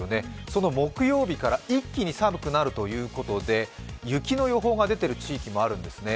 その木曜日から一気に寒くなるということで、雪の予報が出ている地域もあるんですね。